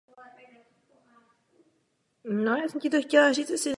Ty jsou v různých částech rostlin vázány v podobě solí karboxylových kyselin.